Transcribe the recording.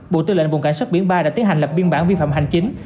bộ tư lệnh vùng cảnh sát biển ba đã tiến hành lập biên bản vi phạm hành chính